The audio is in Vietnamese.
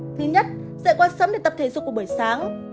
thứ nhất dạy qua sắm để tập thể dục của buổi sáng